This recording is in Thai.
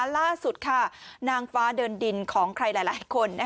ล่าสุดค่ะนางฟ้าเดินดินของใครหลายคน